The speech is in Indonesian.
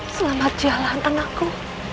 selamat jalan anakku